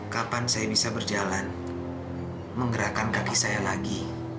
kapan saya bisa berjalan menggerakkan kaki saya lagi